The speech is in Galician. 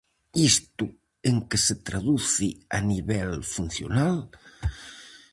Isto en que se traduce a nivel funcional?